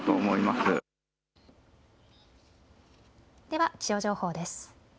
では気象情報です。